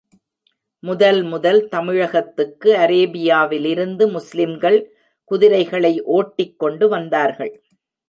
முதல் முதல் தமிழகத்துக்கு அரேபியாவிலிருந்து முஸ்லிம்கள் குதிரைகளை ஓட்டிக் கொண்டு வந்தார்கள்.